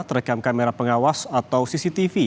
terekam kamera pengawas atau cctv